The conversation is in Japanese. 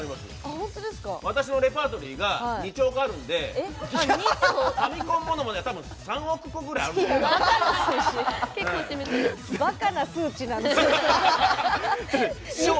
私のレパートリーが２兆個あるんでファミコンものまねは多分３億個くらいあるんじゃないかな。